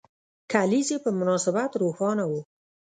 کلیزې په مناسبت روښانه وو.